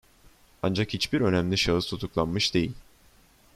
Ancak hiçbir önemli şahıs tutuklanmış değil.